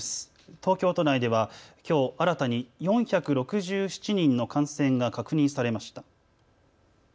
東京都内ではきょう新たに４６７人の感染が確認されました。